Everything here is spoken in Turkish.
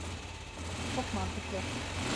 Çok mantıklı.